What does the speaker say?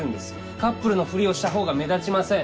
カップルのふりをしたほうが目立ちません。